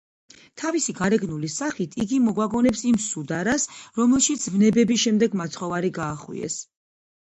თავისი გარეგნული სახით იგი მოგვაგონებს იმ სუდარას, რომელშიც ვნებების შემდეგ მაცხოვარი გაახვიეს.